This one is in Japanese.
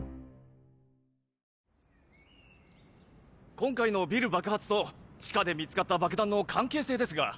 今回のビル爆発と地下で見つかった爆弾の関係性ですが。